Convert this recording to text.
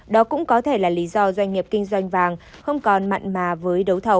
đó cũng có thể là lý do doanh nghiệp kinh doanh vàng không còn mặn mà với đấu thầu